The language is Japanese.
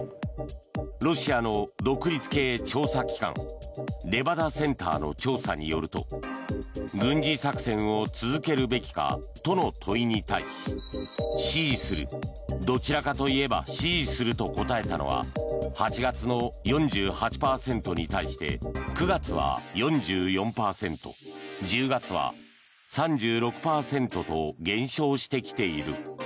ロシアの独立系調査機関レバダセンターの調査によると軍事作戦を続けるべきかとの問いに対し支持するどちらかといえば支持すると答えたのは８月の４８％に対して９月は４４％１０月は３６％と減少してきている。